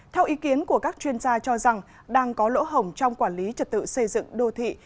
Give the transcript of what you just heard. theo ý kiến của các chuyên gia cho rằng đang có lỗ hồng trong quản lý trật tự xây dựng đô thị